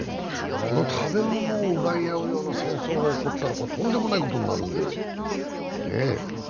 この食べ物を奪い合うような戦争が起こったらとんでもないことになるんで。